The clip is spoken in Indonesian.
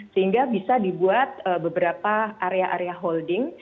sehingga bisa dibuat beberapa area area holding